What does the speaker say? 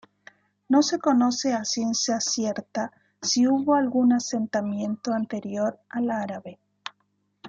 No se conoce a ciencia cierta si hubo algún asentamiento anterior al árabe.